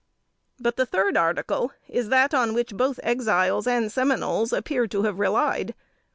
But the third article is that on which both Exiles and Seminoles appear to have relied.